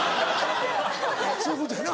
そういうことやな。